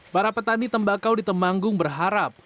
para petani tembakau di temanggung berharap